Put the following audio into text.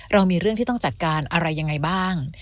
เรามีเรื่องที่ต้องจัดการอะไรยังไงบ้าง